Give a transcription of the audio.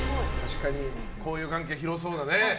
交友関係広そうなね。